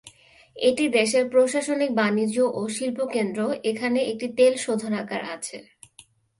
এটি দেশের প্রশাসনিক বাণিজ্য ও শিল্প কেন্দ্র, এখানে একটি তেল শোধনাগার আছে।